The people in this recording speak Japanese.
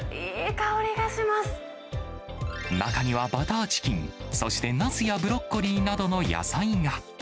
中にはバターチキン、そしてなすやブロッコリーなどの野菜が。